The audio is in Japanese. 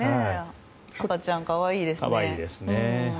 赤ちゃん可愛いですね。